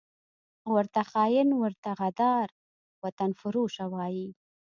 ورته خاین، ورته غدار، وطنفروشه وايي